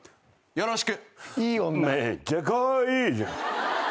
よろしく。